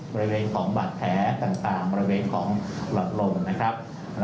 บริเวณของบาดแผลต่างบริเวณของหลอดลมนะครับ